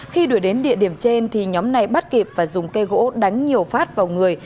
khi đuổi đến địa điểm trên thì nhóm này bắt kịp và dùng cây gỗ đánh nhiều phát vào người